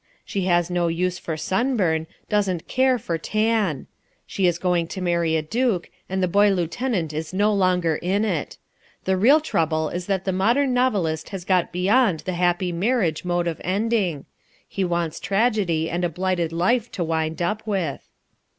She has no use for sunburn, doesn't care for tan; she is going to marry a duke and the boy lieutenant is no longer in it. The real trouble is that the modern novelist has got beyond the happy marriage mode of ending. He wants tragedy and a blighted life to wind up with.